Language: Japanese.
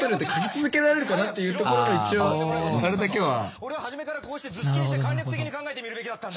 俺は初めからこうして図式にして簡略的に考えてみるべきだったんだ。